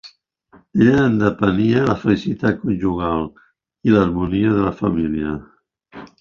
D'ella en depenia la felicitat conjugal i l'harmonia de la família.